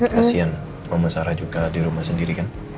kasihan mama sarah juga di rumah sendiri kan